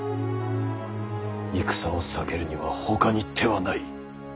戦を避けるにはほかに手はない。